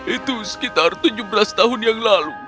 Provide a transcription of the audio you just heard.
itu sekitar tujuh belas tahun yang lalu